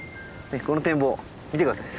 この展望見て下さい。